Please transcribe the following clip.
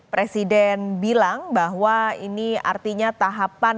presiden bilang bahwa ini artinya tahapan